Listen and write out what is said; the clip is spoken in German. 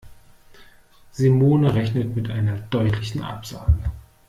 Simone rechnet mit einer deutlichen Absage.